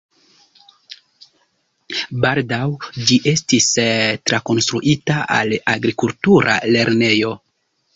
Baldaŭ ĝi estis trakonstruita al agrikultura lernejo.